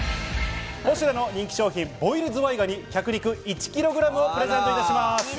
ポシュレの人気商品「ボイルズワイガニ脚肉１ｋｇ」をプレゼントいたします。